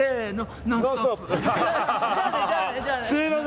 すみません。